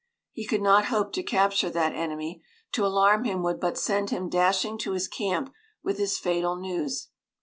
He could not hope to capture that enemy; to alarm him would but send him dashing to his camp with his fatal news.